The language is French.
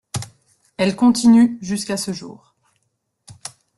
Elle continue jusqu'à ce jour.